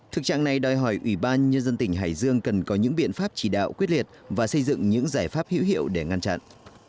thực trạng này đòi hỏi ủy ban nhân dân tỉnh hải dương cần có những biện pháp chỉ đạo quyết liệt và xây dựng những giải pháp hữu hiệu để ngăn chặn